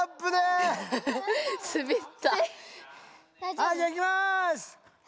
はいじゃいきます。